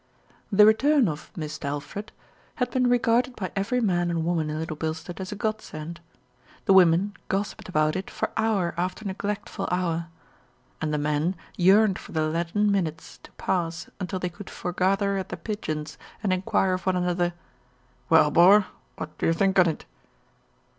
The return of "Mist' Alfred" had been regarded by every man and woman in Little Bilstead as a godsend. The women gossiped about it for hour after neglectful hour, and the men yearned for the leaden minutes to pass until they could foregather at The Pigeons and en quire of one another, "Well, bor, wot d'you think on it?"